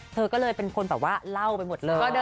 เธอก็เลยเป็นคนแบบว่าเล่าไปหมดเลย